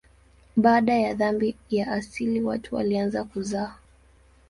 Baada ya dhambi ya asili watu walianza kuzaa.